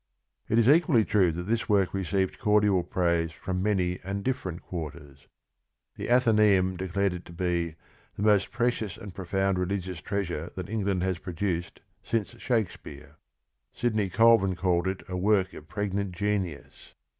It is equally true that this work received cor dial praise from many and different quarters. The Atheneum declared it to be " the most pre cious and profound religious treasure that Eng land has produced since Shakespeare." Sidney Colvin called it "a work of pregnant genius."